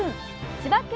千葉県